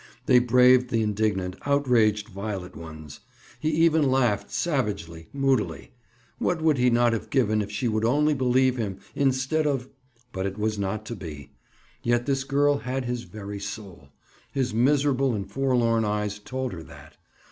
They braved the indignant, outraged violet ones. He even laughed, savagely, moodily. What would he not have given if she would only believe him, instead of—? But it was not to be. Yet this girl had his very soul. His miserable and forlorn eyes told her that.